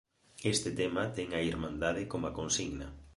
Este tema ten a irmandade como consigna.